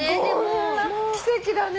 奇跡だね！